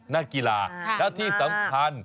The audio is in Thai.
นักกีฬาแล้วที่สำคัญ